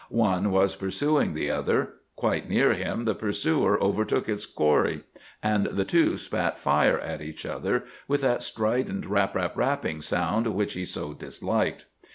One was pursuing the other. Quite near him the pursuer overtook its quarry, and the two spat fire at each other with that strident rap rap rapping sound which he so disliked.